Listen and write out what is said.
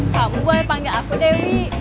kamu boleh panggil aku dewi